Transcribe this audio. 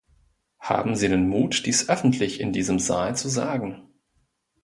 Haben Sie den Mut, dies öffentlich, in diesem Saal zu sagen.